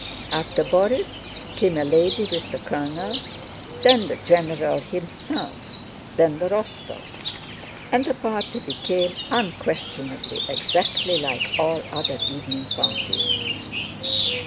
After Borís came a lady with the colonel, then the general himself, then the Rostóvs, and the party became unquestionably exactly like all other evening parties.